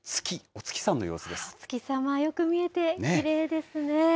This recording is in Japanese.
お月さま、よく見えてきれいですね。